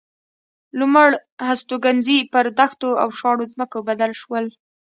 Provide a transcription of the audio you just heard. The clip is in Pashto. لومړ هستوګنځي پر دښتو او شاړو ځمکو بدل شول.